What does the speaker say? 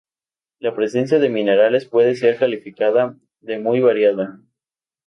La presencia de minerales puede ser calificada de muy variada.